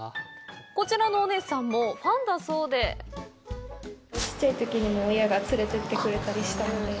こちらのお姉さんもファンだそうでちっちゃいときにも親が連れてってくれたりしたので。